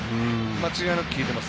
間違いなく効いてます。